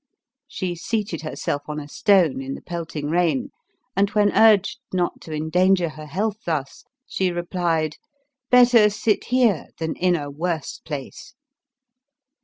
She seated herself on a stone, in the pelting rain, and when urged not to endanger her health thus, she replied, " Better sit here than in a worse place."